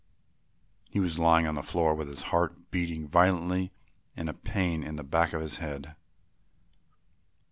He was lying on the floor with his heart beating violently and a pain in the back of his head.